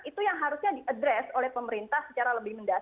itu yang harusnya di address oleh pemerintah secara lebih mudah